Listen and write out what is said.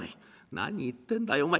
「何言ってんだよお前。